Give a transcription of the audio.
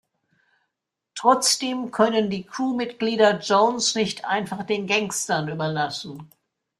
Trotzdem können die Crew-Mitglieder Jones nicht einfach den Gangstern überlassen.